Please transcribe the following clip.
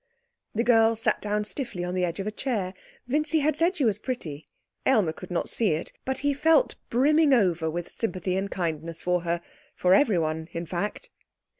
The girl sat down stiffly on the edge of a chair. Vincy had said she was pretty. Aylmer could not see it. But he felt brimming over with sympathy and kindness for her for everyone, in fact.